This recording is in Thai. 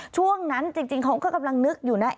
ช่วงนั้นจริงเขาก็กำลังนึกอยู่นะ